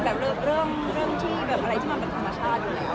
มันก็เป็นแบบเรื่องที่แบบอะไรที่มันเป็นธรรมชาติอยู่แล้ว